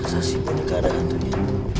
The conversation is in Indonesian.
masa si boneka ada hantunya